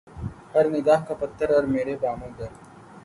ہر نگاہ کا پتھر اور میرے بام و در